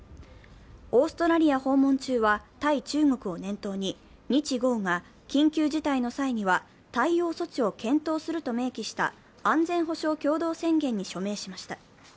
オーストラリア訪問中は、対中国を念頭に日豪が緊急事態の際には対応措置を検討すると明記した安全保障共同宣言に署名しました。